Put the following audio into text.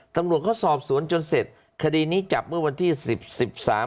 ตำรวจเขาสอบสวนจนเสร็จคดีนี้จับเมื่อวันที่สิบสิบสาม